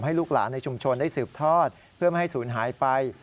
ลูกหลานในชุมชนได้สืบทอดเพื่อไม่ให้ศูนย์หายไป